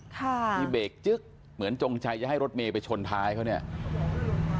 ค่ะที่เบรกจึ๊กเหมือนจงใจจะให้รถเมย์ไปชนท้ายเขาเนี่ย